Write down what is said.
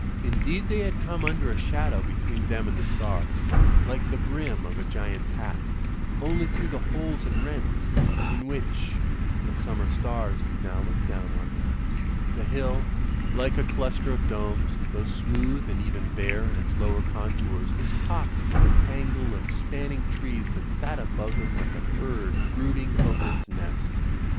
Indeed they had come under a shadow between them and the stars, like the brim of a giant's hat; only through the holes and rents in which the summer stars could now look down on them. The hill, like a cluster of domes, though smooth and even bare in its lower contours was topped with a tangle of spanning trees that sat above them like a bird brooding over its nest.